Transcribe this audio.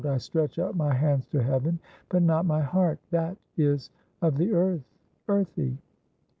I stretch out my hands to heaven, but not my heart : that is of the earth earthy.'